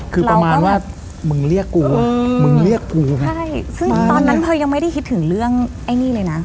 คือประมาณว่ามึงเรียกกูมึงเรียกกูใช่ไหมใช่ซึ่งตอนนั้นเธอยังไม่ได้คิดถึงเรื่องไอ้นี่เลยนะ